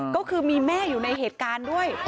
ก็คือมีแม่อยู่ในเหตุการณ์ด้วย